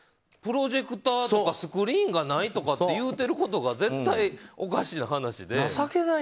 プロジェクターとかスクリーンがないとかって言うてることが絶対おかしい話で。